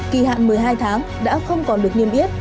kỳ hạn một mươi hai tháng đã không còn được niêm yết